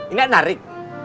ini gak menarik